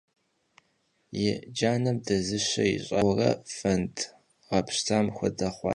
Yi canem dezışe yiş'aşi, Bore fend ğepşam xuede xhuaş.